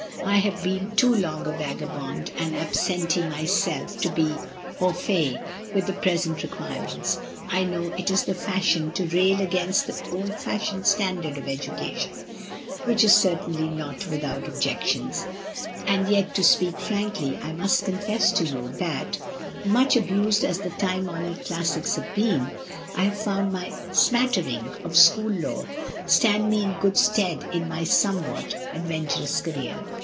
I have been too long a vagabond and absentee myself to be aufait with the present requirements. I know it is the fashion to rail against the old fashioned standard of education, which is certainly not without objections, and yet to speak frankly I must confess to you that, much abused as the time honoured classics have been, I have found my own smattering of school lore stand me in good stead in my somewhat ad venturous career.